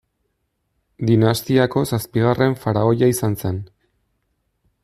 Dinastiako zazpigarren faraoia izan zen.